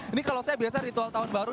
ini kalau saya biasa ritual tahun baru